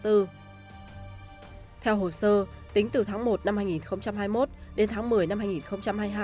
theo hồ sơ tính từ tháng một năm hai nghìn hai mươi một đến tháng một mươi năm hai nghìn hai mươi hai